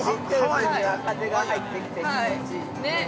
◆風が入ってきて気持ちいいね。